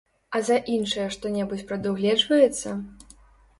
А за іншыя што-небудзь прадугледжваецца?